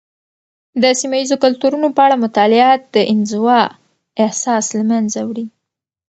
د سيمه یيزو کلتورونو په اړه مطالعه، د انزوا احساس له منځه وړي.